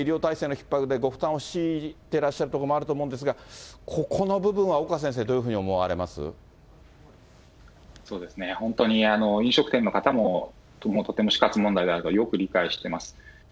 先生方にも医療体制のひっ迫でご負担を強いてらっしゃるところもあると思うんですが、ここの部分は岡先生、どういうふうに思われそうですね、本当に、飲食店の方もとても死活問題であるというのはよく理解してます。